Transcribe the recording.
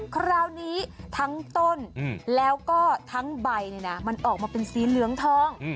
คราวนี้ทั้งต้นแล้วก็ทั้งใบมันออกมาเป็นสีเหลืองทอง